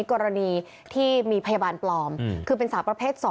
กรณีที่มีพยาบาลปลอมคือเป็นสาวประเภท๒